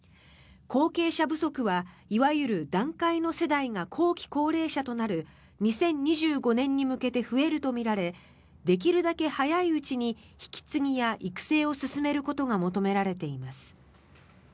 後継者不足はいわゆる団塊の世代が後期高齢者となる２０２５年に向けて増えるとみられできるだけ早いうちに引き継ぎや育成を進めることが求められています。